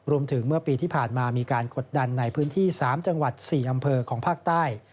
เมื่อปีที่ผ่านมามีการกดดันในพื้นที่๓จังหวัด๔อำเภอของภาคใต้